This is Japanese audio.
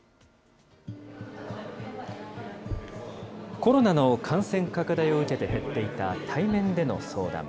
コロナの感染拡大を受けて減っていた対面での相談。